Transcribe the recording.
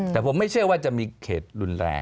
แต่ผมไม่เชื่อว่าจะมีเขตรุนแรง